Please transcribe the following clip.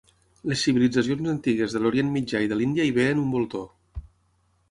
Les civilitzacions antigues de l'Orient Mitjà i de l'Índia hi veien un voltor.